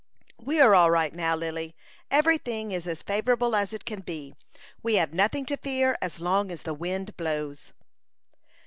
"We are all right now, Lily. Every thing is as favorable as it can be. We have nothing to fear as long as the wind blows."